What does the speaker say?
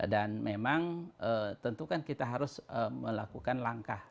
memang tentu kan kita harus melakukan langkah